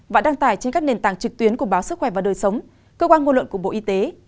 và đăng tải trên các nền tảng trực tuyến của báo sức khỏe và đời sống cơ quan ngôn luận của bộ y tế